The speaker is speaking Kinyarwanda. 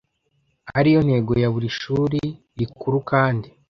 Ariyo ntego ya buri shuri rikuru kandi